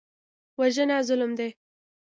وژنه ظلم دی